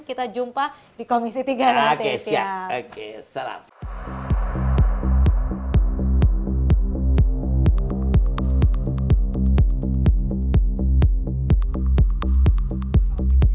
kita jumpa di komisi tiga